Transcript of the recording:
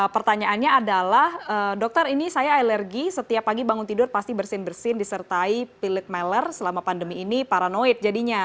pertanyaannya adalah dokter ini saya alergi setiap pagi bangun tidur pasti bersin bersin disertai pilit meller selama pandemi ini paranoid jadinya